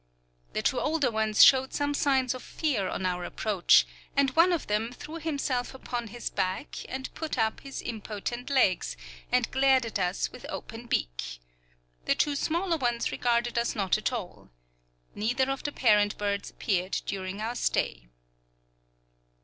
The two older ones showed some signs of fear on our approach, and one of them threw himself upon his back, and put up his impotent legs, and glared at us with open beak. The two smaller ones regarded us not at all. Neither of the parent birds appeared during our stay.